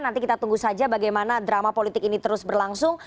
nanti kita tunggu saja bagaimana drama politik ini terus berlangsung